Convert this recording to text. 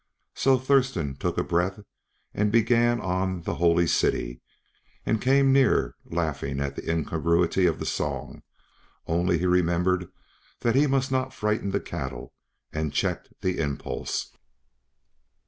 So Thurston took breath and began on "The Holy City," and came near laughing at the incongruity of the song; only he remembered that he must not frighten the cattle, and checked the impulse.